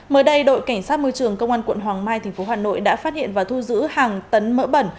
mới đây đội cảnh sát môi trường công an quận hoàng mai tp hà nội đã phát hiện và thu giữ hàng tấn mỡ bẩn